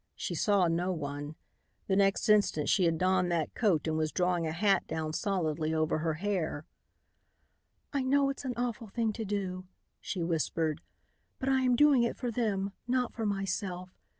She saw no one. The next instant she had donned that coat and was drawing a hat down solidly over her hair. "I know it's an awful thing to do," she whispered, "but I am doing it for them, not for myself.